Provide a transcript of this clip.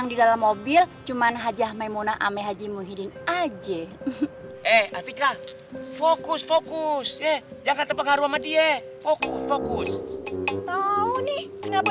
gile enzih dan kegemitan begini ya